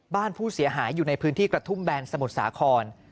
บ้านผู้เสียหายอยู่ในพื้นที่กระทุ่มแบนสมุทรสาคร